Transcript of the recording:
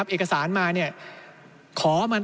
เอกสารมา